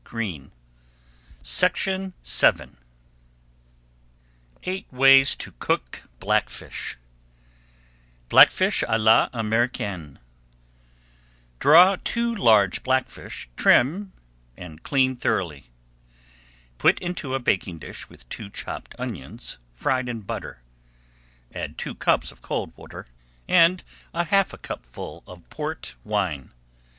[Page 65] EIGHT WAYS TO COOK BLACKFISH BLACKFISH À L'AMERICAINE Draw two large blackfish, trim, and clean thoroughly. Put into a baking dish with two chopped onions fried in butter. Add two cupfuls of cold water and half a cupful of Port wine.